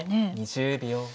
２０秒。